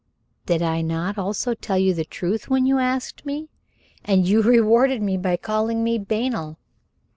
"Did I not also tell you the truth when you asked me? And you rewarded me by calling me banal."